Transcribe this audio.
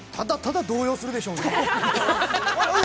ただただ動揺するでしょうね。